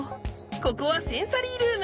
ここはセンサリールーム。